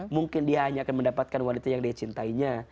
mungkin dia hanya akan mendapatkan wanita yang dia cintainya